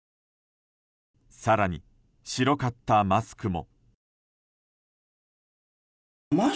更に白かったマスクも。